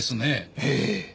ええ。